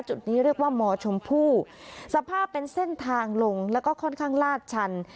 จุดนี้เรียกว่ามชมพู่สภาพเป็นเส้นทางลงแล้วก็ค่อนข้างลาดชัน